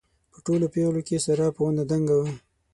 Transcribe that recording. په ټولو پېغلو کې ساره په ونه دنګه ده.